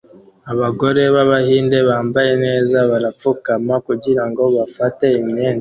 Abagore b'Abahinde bambaye neza barapfukama kugirango bafate imyenda